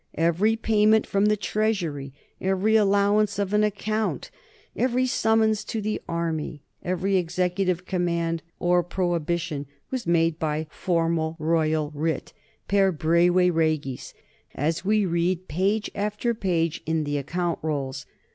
Every payment from the treasury, every allow ance of an account, every summons to the army, every executive command or prohibition, was made by formal royal writ per breve regis, as we read page after page in the account rolls.